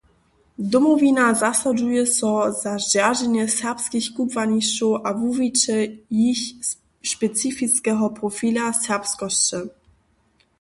Domowina zasadźuje so za zdźerženje serbskich kubłanišćow a wuwiće jich specifiskeho profila serbskosće.